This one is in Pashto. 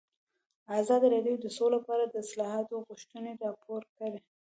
ازادي راډیو د سوله په اړه د اصلاحاتو غوښتنې راپور کړې.